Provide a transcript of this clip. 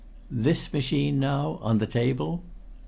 "This machine, now on the table?"